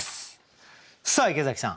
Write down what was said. さあ池崎さん。